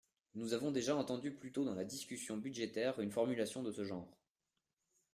Nous avons déjà entendu plus tôt dans la discussion budgétaire une formulation de ce genre.